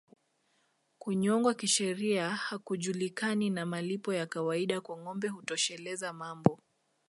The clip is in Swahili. Kunyongwa kisheria hakujulikani na malipo ya kawaida kwa ngombe hutosheleza mambo